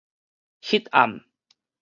彼暗